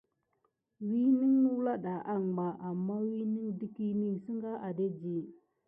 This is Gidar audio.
Winən noula ɗa anŋɓa amma wiyin də kini. Sənga adedi.